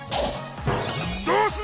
どうする！